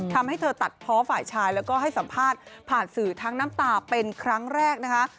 ทำให้เธอตัดเพาะฝ่ายชายแล้วก็ให้สัมภาษณ์ผ่านสื่อทั้งน้ำตาเป็นครั้งแรกนะคะ